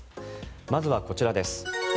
まずはこちらです。